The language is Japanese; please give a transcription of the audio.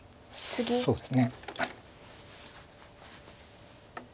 そうですね。